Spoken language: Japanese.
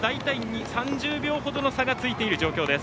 ３０秒ほどの差がついている状況です。